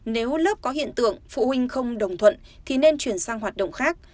nếu lớp có hiện tượng phụ huynh không đồng thuận thì nên chuyển sang hoạt động khác